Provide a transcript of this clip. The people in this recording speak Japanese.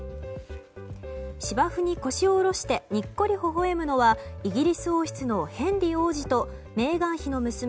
芝生に腰を下ろしてにっこりほほ笑むのはイギリス王室のヘンリー王子とメーガン妃の娘